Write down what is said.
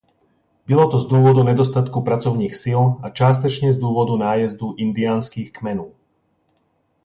Bylo to z důvodu nedostatku pracovních sil a částečně z důvodu nájezdů indiánských kmenů.